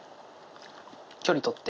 距離取って。